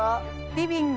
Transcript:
リビング